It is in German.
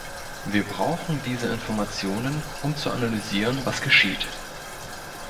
Wir brauchen diese Informationen, um zu analysieren, was geschieht.